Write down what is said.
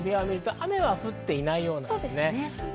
雨は降っていないようです。